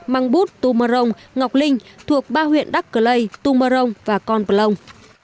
măng bút tù mơ rồng ngọc linh thuộc ba huyện đắc cờ lây tù mơ rồng và con vật lông